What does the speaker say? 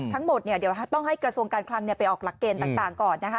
ทั้งหมดเนี่ยเดี๋ยวต้องให้กระทรวงการคลังไปออกหลักเกณฑ์ต่างก่อนนะคะ